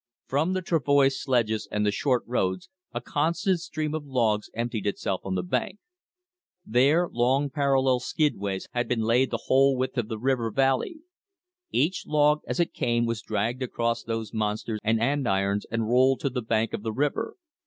From the travoy sledges and the short roads a constant stream of logs emptied itself on the bank. There long parallel skidways had been laid the whole width of the river valley. Each log as it came was dragged across those monster andirons and rolled to the bank of the river.